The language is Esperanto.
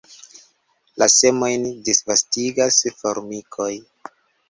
La semojn disvastigas formikoj.